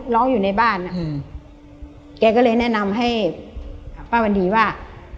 ร้องอยู่ในบ้านอ่ะอืมแกก็เลยแนะนำให้ป้าวันนี้ว่า